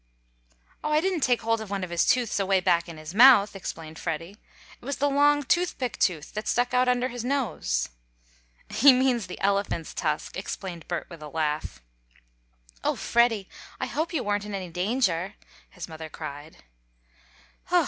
"Oh, I didn't take hold of one of his tooths away back in his mouth," explained Freddie, "it was the long tooth pick tooth that stuck out under his nose." "He means the elephant's tusk," explained Bert with a laugh. "Oh, Freddie! I hope you weren't in any danger!" his mother cried.